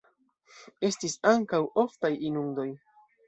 Estis ankaŭ oftaj inundoj.